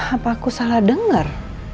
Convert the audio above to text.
apa aku salah dengar